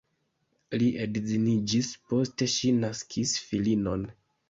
Li edziniĝis, poste ŝi naskis filinon.